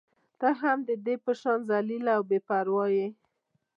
ته هم د ده په شان ذلیله او بې پرواه يې.